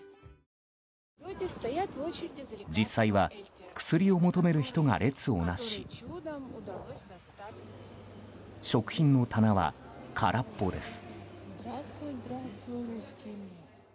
実際は薬を求める人が列をなし食品の棚は空っぽです。